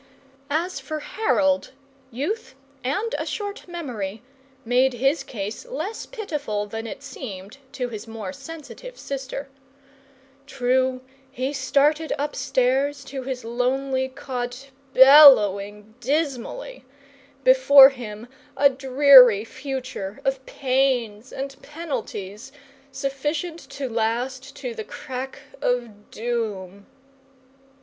As for Harold, youth and a short memory made his case less pitiful than it seemed to his more sensitive sister. True, he started upstairs to his lonely cot bellowing dismally, before him a dreary future of pains and penalties, sufficient to last to the crack of doom.